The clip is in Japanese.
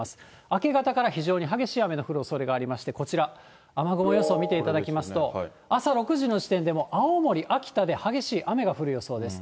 明け方から非常に激しい雨の降るおそれがありまして、こちら、雨雲予想見ていただきますと、朝６時の時点で青森、秋田で激しい雨が降る予想です。